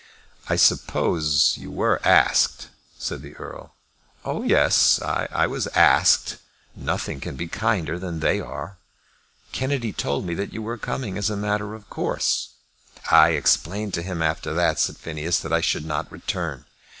"I suppose you were asked?" said the Earl. "Oh, yes, I was asked. Nothing can be kinder than they are." "Kennedy told me that you were coming as a matter of course." "I explained to him after that," said Phineas, "that I should not return.